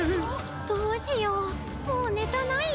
どうしようもうネタないよ。